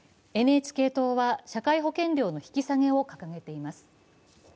ＮＨＫ党は社会保険料の引き下げを掲げています。